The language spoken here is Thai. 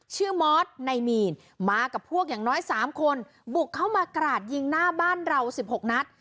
มอสในมีนมากับพวกอย่างน้อย๓คนบุกเข้ามากราดยิงหน้าบ้านเรา๑๖นัด